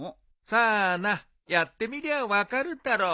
さあなやってみりゃあ分かるだろ。